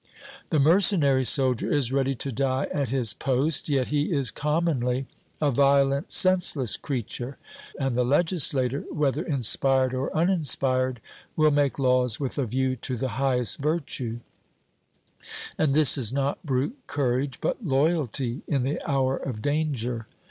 The mercenary soldier is ready to die at his post; yet he is commonly a violent, senseless creature. And the legislator, whether inspired or uninspired, will make laws with a view to the highest virtue; and this is not brute courage, but loyalty in the hour of danger.